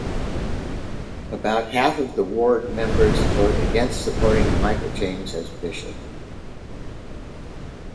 About half of the ward members vote against supporting Michael Jaymes as bishop.